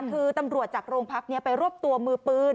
คือตำรวจจากโรงพักธุ์เนี้ยไปตัวมือปืน